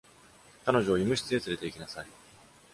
彼女を医務室へ連れて行きなさい。